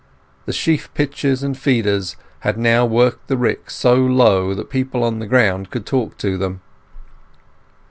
The sheaf pitchers and feeders had now worked the rick so low that people on the ground could talk to them.